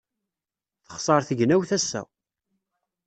Texṣer tegnewt ass-a.